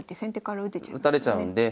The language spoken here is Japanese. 打たれちゃうんで。